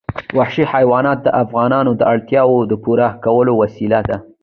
وحشي حیوانات د افغانانو د اړتیاوو د پوره کولو وسیله ده.